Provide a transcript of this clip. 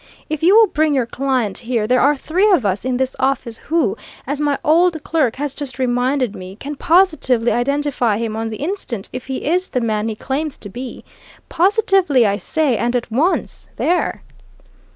If you will bring your client here, there are three of us in this office who, as my old clerk has just reminded me, can positively identify him on the instant if he is the man he claims to be. Positively, I say, and at once! There!"